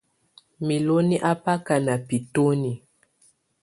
Milolo a báká ná bitoní.